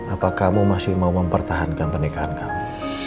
apa kamu masih mau mempertahankan pernikahan kami